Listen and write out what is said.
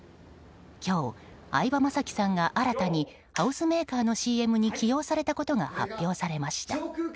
今日、相葉雅紀さんが新たにハウスメーカーのＣＭに起用されたことが発表されました。